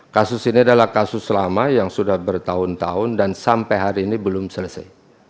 kasus ini adalah kasus lama yang sudah bertahun tahun dan sampai hari ini belum selesai